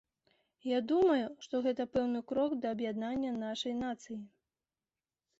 Я думаю, што гэта пэўны крок да аб'яднання нашай нацыі.